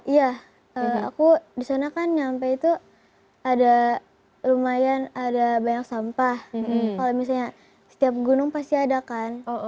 iya aku di sana kan nyampe itu ada lumayan ada banyak sampah kalau misalnya setiap gunung pasti ada kan